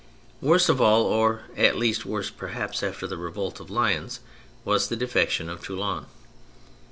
Worst of all, or at least, worst perhaps, after the revolt of Lyons, was the defection of Toulon.